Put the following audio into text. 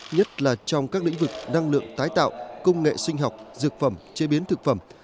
nhất là trong các lĩnh vực năng lượng tái tạo công nghệ sinh học dược phẩm chế biến thực phẩm